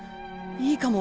いいかも。